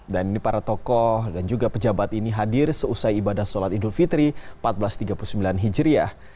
dan ini para tokoh dan juga pejabat ini hadir seusai ibadah sholat idul fitri seribu empat ratus tiga puluh sembilan hijriah